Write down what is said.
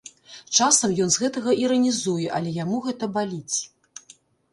Часам ён з гэтага іранізуе, але яму гэта баліць.